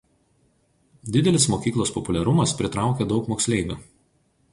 Didelis mokyklos populiarumas pritraukė daug moksleivių.